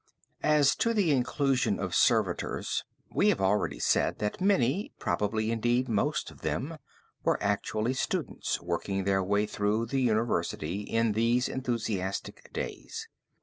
As to the inclusion of servitors, we have already said that many, probably, indeed, most of them, were actual students working their way through the university in these enthusiastic days.